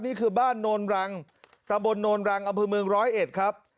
นี่คือบ้านโนรังตำบลโนรังอมรร้อยเอ็ดครับ